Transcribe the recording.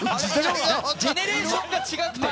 ジェネレーションが違くて。